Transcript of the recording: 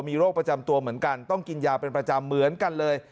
มีโรคประจำตัวเหมือนกันต้องกินยาเป็นประจำเหมือนกันเลย